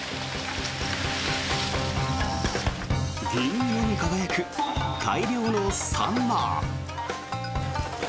銀色に輝く大量のサンマ。